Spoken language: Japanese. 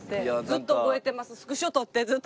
ずっと覚えてます。